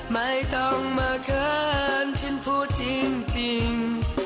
ไม่ต้องมาเขินฉันพูดจริง